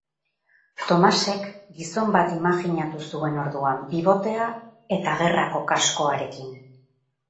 Tomasek gizon bat imajinatu zuen orduan, bibotea eta gerrako kaskoarekin.